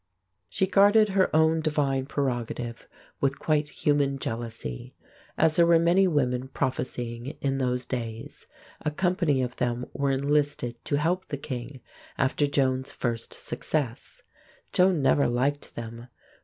She guarded her own divine prerogative with quite human jealousy. As there were many women prophesying in those days, a company of them were enlisted to help the king after Joan's first success. Joan never liked them.